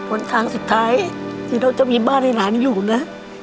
นทางสุดท้ายที่เราจะมีบ้านให้หลานอยู่นะ